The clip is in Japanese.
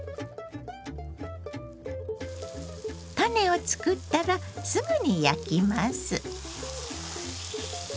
タネを作ったらすぐに焼きます。